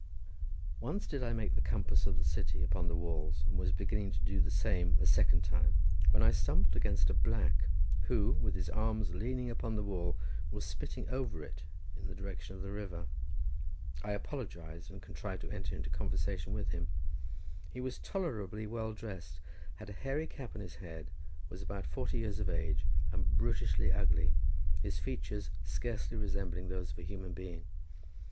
Once did I make the compass of the city upon the walls, and was beginning to do the same a second time, when I stumbled against a black, who, with his arms leaning upon the wall, was spitting over it, in the direction of the river. I apologized, and contrived to enter into conversation with him. He was tolerably well dressed, had a hairy cap on his head, was about forty years of age, and brutishly ugly, his features scarcely resembling those of a human being.